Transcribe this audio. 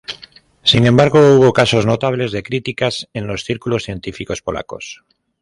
Sin embargo, hubo casos notables de críticas en los círculos científicos polacos.